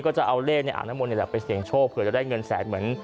ก็จะเอาเลขในอ่างน้ำมนต์นี่แหละไปเสี่ยงโชคเผื่อจะได้เงินแสนเหมือน